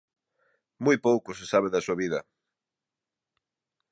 Moi pouco se sabe da súa vida.